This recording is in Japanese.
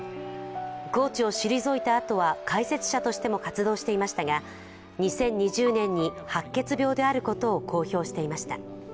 コーチを退いたあとは解説者としても活動していましたが、２０２０年に白血病であることを公表していました。